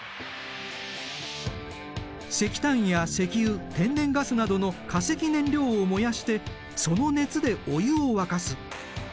石炭や石油天然ガスなどの化石燃料を燃やしてその熱でお湯を沸かす。